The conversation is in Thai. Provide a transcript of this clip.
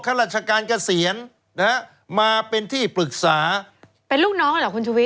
ข้าราชการเกษียณนะฮะมาเป็นที่ปรึกษาเป็นลูกน้องเหรอคุณชุวิต